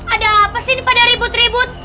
ada apa sih ini pada ribut ribut